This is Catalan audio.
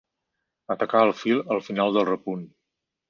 Atacar el fil al final del repunt.